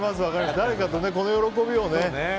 誰かとこの喜びをね。